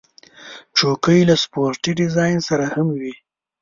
چوکۍ له سپورټي ډیزاین سره هم وي.